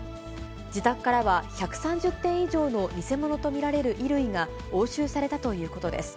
自宅からは、１３０点以上の偽物と見られる衣類が押収されたということです。